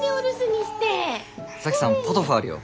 沙樹さんポトフあるよ。